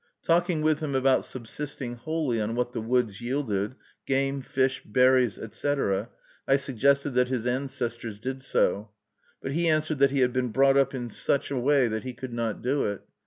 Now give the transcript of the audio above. Talking with him about subsisting wholly on what the woods yielded, game, fish, berries, etc., I suggested that his ancestors did so; but he answered that he had been brought up in such a way that he could not do it.